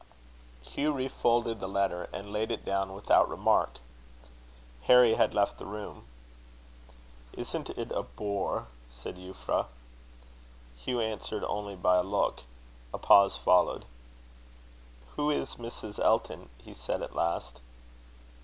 Hugh refolded the letter, and laid it down without remark. Harry had left the room. "Isn't it a bore?" said Euphra. Hugh answered only by a look. A pause followed. "Who is Mrs. Elton?" he said at last.